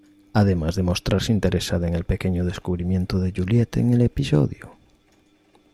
Además de mostrarse interesada en el pequeño descubrimiento de Juliette en el episodio.